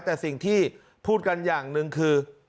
แต่สิ่งที่พูดกันอย่างหนึ่งคือ